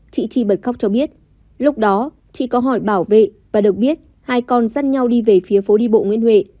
chị chi bật khóc cho biết lúc đó chị có hỏi bảo vệ và được biết hai con dắt nhau đi về phía phố đi bộ nguyễn huệ